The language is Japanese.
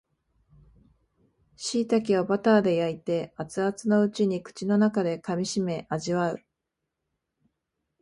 しいたけをバターで焼いて熱々のうちに口の中で噛みしめ味わう